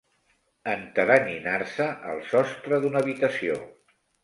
Enteranyinar-se el sostre d'una habitació.